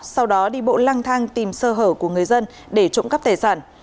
sau đó đi bộ lang thang tìm sơ hở của người dân để trộm cắp tài sản